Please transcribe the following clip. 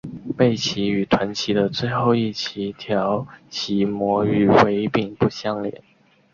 背鳍与臀鳍的最后一鳍条鳍膜与尾柄不相连。